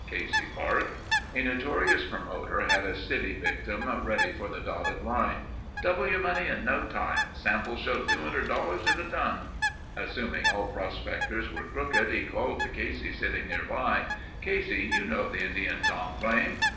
Casey barked. A notorious promoter had a city victim ready for the dotted line. "Double your money in no time.... Samples show $200 to the ton...." Assuming all prospectors were crooked he called to Casey sitting nearby: "Casey, you know the Indian Tom claim?"